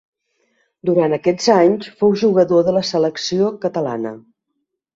Durant aquests anys fou jugador de la selecció catalana.